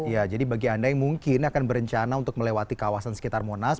ya jadi bagi anda yang mungkin akan berencana untuk melewati kawasan sekitar monas